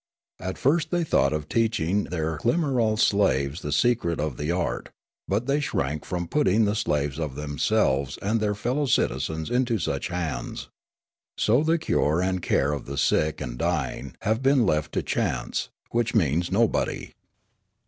At first they thought of teaching their Klimarol slaves the secret of the art, but they shrank from putting the lives of themselves and their fellow citizens into such hands. So the cure and care of the sick and dying have been left to chance, which means nobody.